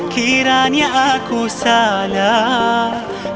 kiranya aku salah